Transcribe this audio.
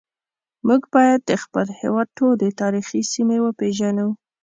موږ باید د خپل هیواد ټولې تاریخي سیمې وپیژنو